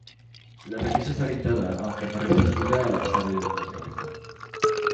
La revista está orientada, aunque no restringida, a las aves del Neotrópico.